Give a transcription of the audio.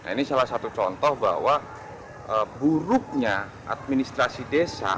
ini salah satu contoh bahwa buruknya administrasi desa